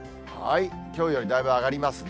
きょうよりだいぶ上がりますね。